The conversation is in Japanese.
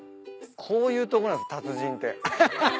こういうとこなんです達人って。